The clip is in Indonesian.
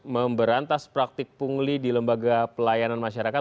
memberantas praktik pungli di lembaga pelayanan masyarakat